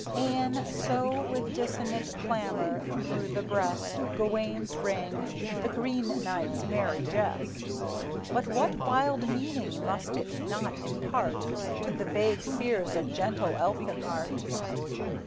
E'en so with dissonant clamor through the breast Of Gawayne rang the Green Knight's merry jest; But what wild meaning must it not impart To the vague fears of gentle Elfinhart?